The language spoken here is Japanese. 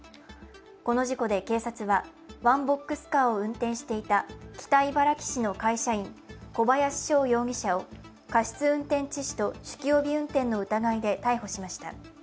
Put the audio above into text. この事故で警察は、ワンボックスカーを運転していた、北茨城市の会社員・小林翔容疑者を過失運転致死と酒気帯び運転の疑いで逮捕しました。